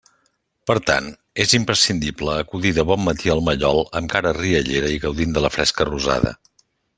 Per tant, és imprescindible acudir de bon matí al mallol amb cara riallera i gaudint de la fresca rosada.